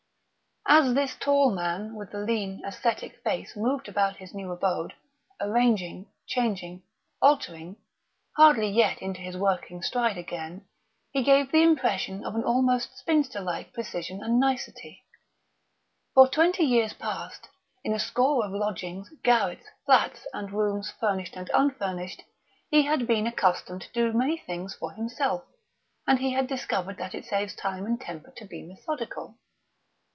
As this tall man with the lean, ascetic face moved about his new abode, arranging, changing, altering, hardly yet into his working stride again, he gave the impression of almost spinster like precision and nicety. For twenty years past, in a score of lodgings, garrets, flats, and rooms furnished and unfurnished, he had been accustomed to do many things for himself, and he had discovered that it saves time and temper to be methodical.